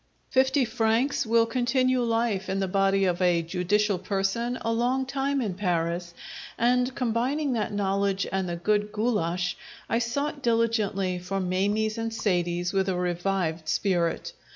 Fifty francs will continue life in the body of a judicial person a long time in Paris, and combining that knowledge and the good goulasch, I sought diligently for "Mamies" and "Sadies" with a revived spirit.